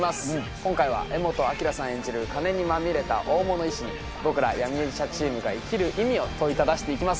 今回は柄本明さん演じる金にまみれた大物医師に僕ら闇医者チームが生きる意味を問いただしていきます